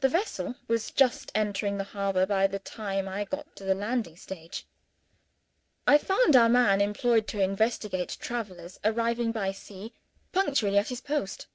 The vessel was just entering the harbor by the time I got to the landing stage. I found our man employed to investigate travelers arriving by sea, punctually at his post.